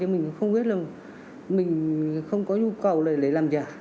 mình không biết là mình không có nhu cầu để làm giả